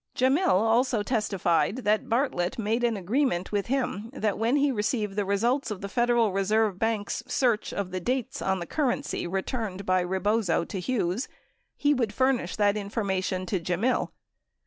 Gemmill also testified that Bartlett made an agreement with him that when he received the results of the Federal Reserve Bank's search of the dates of the currency returned bv Rebozo to Hughes, he would furnish that information to Gemmill.